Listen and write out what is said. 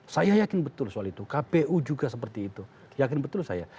saya yakin betul soal itu kpu juga seperti itu yakin betul saya